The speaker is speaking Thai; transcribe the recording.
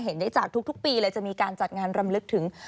เห็นได้จากทุกปีเลยจะมีการจัดงานรำลึกถึง